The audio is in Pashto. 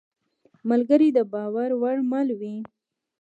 ملګری د باور وړ مل وي.